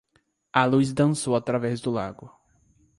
A luz dançou através do lago.